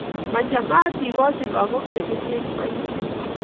Machamaat ikochi lakok che mengech maiwek